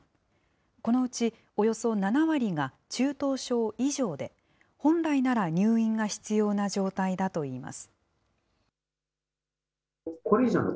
このうちおよそ７割が中等症以上で、本来なら入院が必要な状態だといいます。